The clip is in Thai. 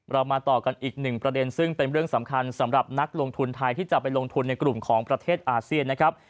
มาต่อกันอีกหนึ่งประเด็นซึ่งเป็นเรื่องสำคัญสำหรับนักลงทุนไทยที่จะไปลงทุนในกลุ่มของประเทศอาเซียนนะครับ